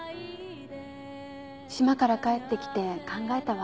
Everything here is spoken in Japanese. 島から帰ってきて考えたわ。